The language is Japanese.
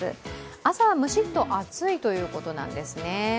朝はむしっと暑いということなんですね。